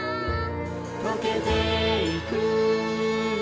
「とけていく」